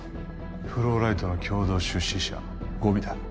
フローライトの共同出資者ゴビだ